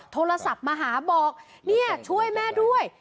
โทรศัพท์มาหาบอกเนี่ยช่วยแม่ด้วย